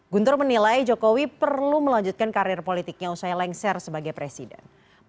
guntur menilai jokowi perlu melanjutkan karir politiknya usai lengser sebagai presiden